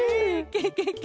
ケケケ。